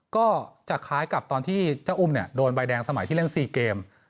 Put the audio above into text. ก็จะคล้ายกับตอนที่เจ้าอุ้มโดนใบแดงสมัยที่เล่น๔เกม